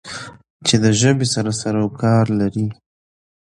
چې د ژبې سره سرو کار لری